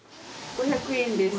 ５００円です。